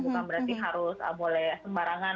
bukan berarti harus boleh sembarangan